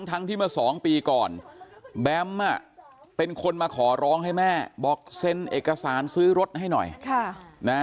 ทั้งที่เมื่อสองปีก่อนแบมอ่ะเป็นคนมาขอร้องให้แม่บอกเซ็นเอกสารซื้อรถให้หน่อย